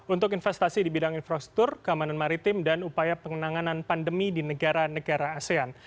untuk investasi di bidang infrastruktur keamanan maritim dan upaya pengenanganan pandemi di negara negara asean